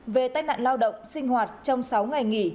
về tai nạn lao động sinh hoạt trong sáu ngày nghỉ